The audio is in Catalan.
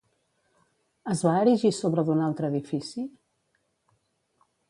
Es va erigir sobre d'un altre edifici?